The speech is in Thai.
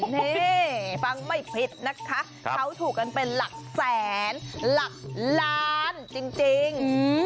นี่ฟังไม่ผิดนะคะเขาถูกกันเป็นหลักแสนหลักล้านจริง